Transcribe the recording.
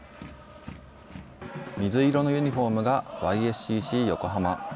水色のユニホームがＹＳＣＣ横浜。